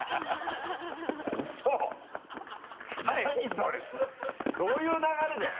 それどういう流れで？